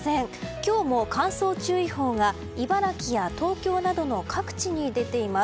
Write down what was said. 今日も乾燥注意報が茨城や東京などの各地に出ています。